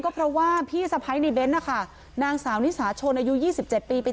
ก็เพราะว่าพี่สะพ้ายในเน้นนะคะนางสาวนิสาชนอายุ๒๗ปีเป็น